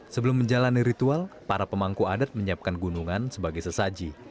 sebelum menjalani ritual para pemangku adat menyiapkan gunungan sebagai sesaji